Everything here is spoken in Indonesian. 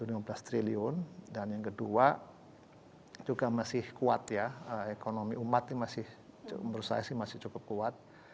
jadi yang pertama lima belas triliun dan yang kedua juga masih kuat ya ekonomi umat ini masih menurut saya sih masih cukup kuat